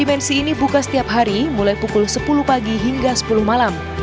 dimensi ini buka setiap hari mulai pukul sepuluh pagi hingga sepuluh malam